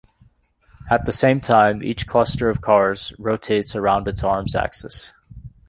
At the same time, each cluster of cars rotates around its arm's axis.